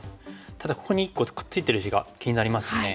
ただここに１個くっついてる石が気になりますよね。